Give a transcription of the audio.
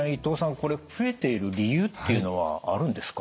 これ増えている理由っていうのはあるんですか？